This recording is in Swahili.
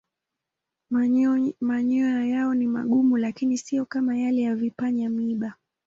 Manyoya yao ni magumu lakini siyo kama yale ya vipanya-miiba.